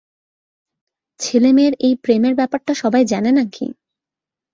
ছেলে-মেয়ের এই প্রেমের ব্যাপারটা সবাই জানে নাকি?